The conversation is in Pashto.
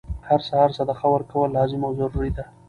هر سهار صدقه ورکول لازم او ضروري ده،